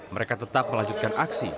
mereka tetap melanjutkan aksi